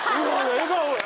笑顔や！」